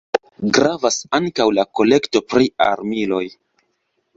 Gravas ankaŭ la kolekto pri armiloj.